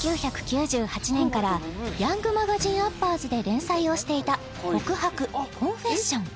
１９９８年から「ヤングマガジンアッパーズ」で連載をしていた「告白コンフェッション」